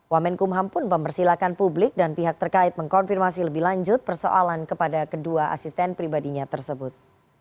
wamenkumham pun mempersilahkan publik dan pihak terkait mengkonfirmasi lebih lanjut persoalan kepada kedua asisten pribadinya tersebut